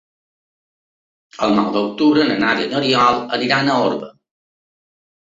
El nou d'octubre na Nàdia i n'Oriol iran a Orba.